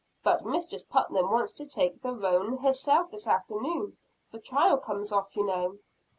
"But Mistress Putnam wants to take the roan herself this afternoon. The trial comes off, you know."